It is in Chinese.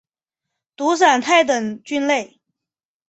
毒伞肽等菌类。